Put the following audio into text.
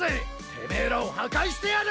テメエらを破壊してやる！